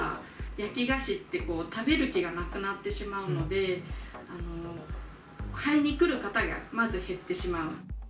焼き菓子って、食べる気がなくなってしまうので、買いに来る方がまず減ってしまう。